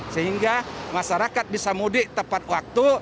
sehingga masyarakat bisa mudik tepat waktu